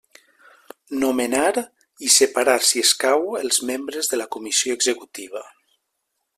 Nomenar, i separar si escau, els membres de la Comissió Executiva.